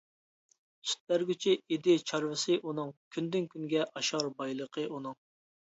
سۈت بەرگۈچى ئىدى چارۋىسى ئۇنىڭ، كۈندىن-كۈنگە ئاشار بايلىقى ئۇنىڭ.